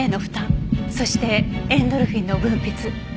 そしてエンドルフィンの分泌。